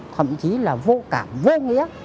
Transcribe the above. thậm chí là vô cảm vô nghĩa